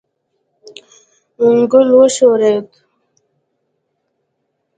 ګل وښورېد.